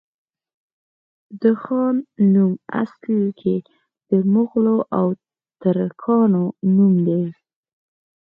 د خان نوم په اصل کي د مغولو او ترکانو نوم دی